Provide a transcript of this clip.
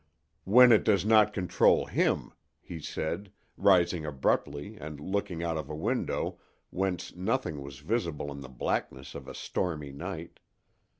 "When it does not control him," he said, rising abruptly and looking out of a window, whence nothing was visible in the blackness of a stormy night.